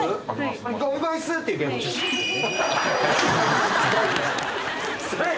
はい。